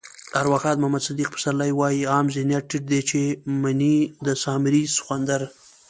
ارواښاد محمد صدیق پسرلی وایي: عام ذهنيت ټيټ دی چې مني د سامري سخوندر.